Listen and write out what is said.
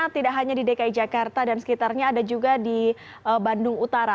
tidak hanya di dki jakarta dan sekitarnya ada juga di bandung utara